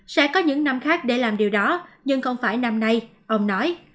sẽ có những năm khác để làm điều đó nhưng không phải năm nay ông nói